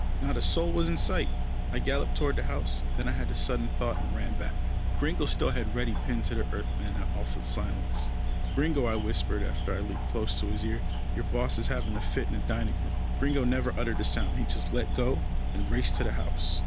Not a soul was in sight. I galloped toward the house, then I had a sudden thought, and ran back. Gringo still had Reddy pinned to the earth in that awful silence. "Gringo," I whispered, after I had leaped close to his ear, "your boss is having a fit in the dining room." Gringo never uttered a sound. He just let go, and raced to the house.